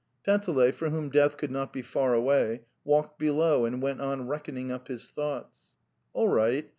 . Panteley, for whom death could not be far away, walked below and went on reckoning up his thoughts. All right